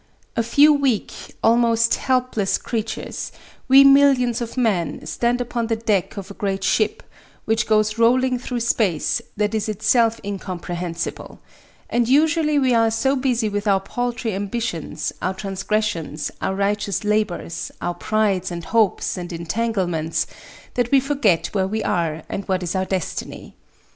A few weak, almost helpless, creatures, we millions of men stand upon the deck of a great ship, which goes rolling through space that is itself incomprehensible, and usually we are so busy with our paltry ambitions, our transgressions, our righteous labors, our prides and hopes and entanglements that we forget where we are and what is our destiny.